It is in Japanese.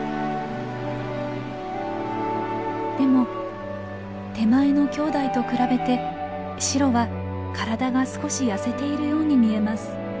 でも手前のきょうだいと比べてシロは体が少し痩せているように見えます。